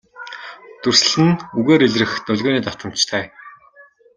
Дүрслэл нь үгээр илрэх долгионы давтамжтай.